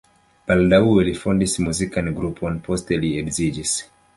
Baldaŭe li fondis muzikan grupon, poste li edziĝis.